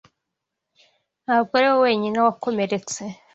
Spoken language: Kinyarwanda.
Ntabwo ari wowe wenyine wakomeretse.